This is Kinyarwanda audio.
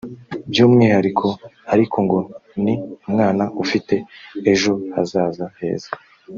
By’umwihariko ariko ngo ni umwana ufite ejo hazaza heza